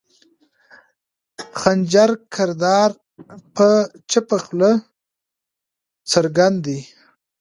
خنجر کردار پۀ چپه خله څرګند دے